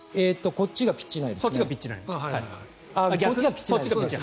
こっちがピッチ内ですね。